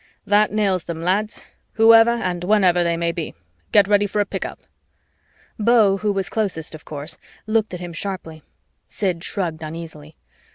"That nails them, lads, whoever and whenever they may be. Get ready for a pick up." Beau, who was closest of course, looked at him sharply. Sid shrugged uneasily.